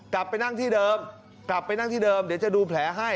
กลับไปนั่งที่เดิมเดี๋ยวจะดูแผลให้